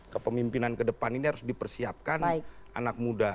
kepemimpinan ke depan ini harus dipersiapkan anak muda